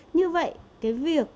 như vậy cái việc